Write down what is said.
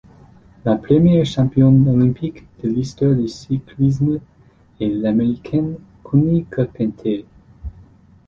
La première championne olympique de l'histoire du cyclisme est l'Américaine Connie Carpenter.